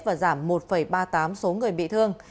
và giảm một ba mươi tám số người bị thương